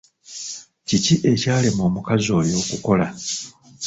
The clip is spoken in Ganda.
Kiki ekyalema omukaazi oyo okukola?